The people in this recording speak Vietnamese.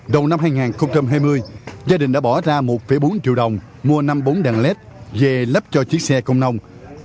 đầu năm hai nghìn hai mươi gia đình đã bỏ ra một bốn triệu đồng mua năm mươi bốn đàn lết về lắp cho chiếc xe công nông